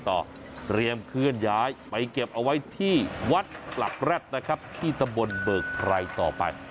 เตรียมเคลื่อนย้ายไปเก็บเอาไว้ที่วัดปลักแร็ดนะครับที่ตำบลเบิกไพรต่อไป